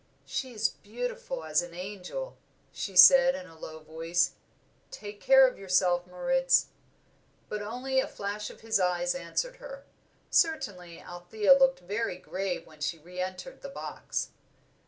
"She is beautiful as an angel," she said, in a low voice. "Take care of yourself, Moritz." But only a flash of his eyes answered her. Certainly Althea looked very grave when she re entered the box.